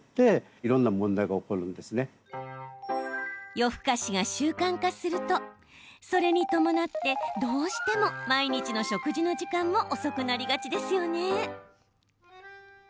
夜更かしが習慣化するとそれに伴って、どうしても毎日の食事の時間も遅くなりがちですよね。